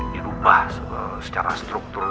dilubah secara struktur